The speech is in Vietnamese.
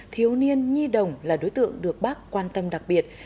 thiếu niên nhi đồng là đối tượng được bác quan tâm đặc biệt